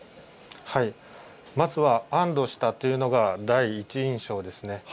まずは安どしたというのが第一印象ですね。